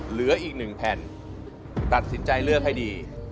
เหลืออีกหนึ่งแผ่นตัดสินใจเลือกให้ดี